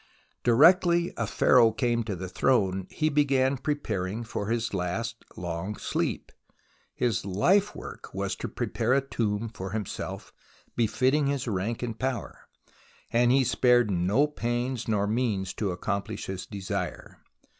Directly a Pharaoh came to the throne, he began preparing for his last long sleep. His life work was to prepare a tomb for himself befitting his rank and power, and he spared no pains nor means to accomplish his desire.